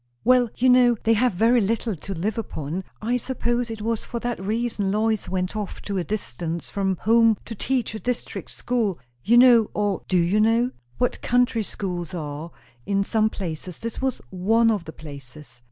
"Well, you know they have very little to live upon. I suppose it was for that reason Lois went off to a distance from home to teach a district school. You know, or do you know? what country schools are, in some places; this was one of the places.